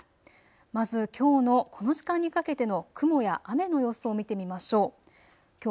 まずきょうのこの時間にかけての雲や雨の様子を見てみましょう。